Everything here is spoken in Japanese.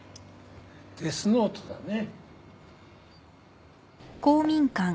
デスノートだね。